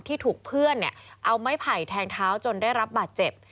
ที่ถูกเพื่อนเอาไม้ไผ่แทงเท้าจนได้รับบาดเจ็บ